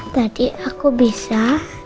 tadi aku bisa